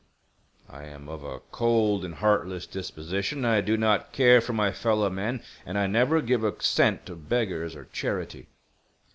I am of a cold and heartless disposition. I do not care for my fellowmen and I never give a cent to beggars or charity.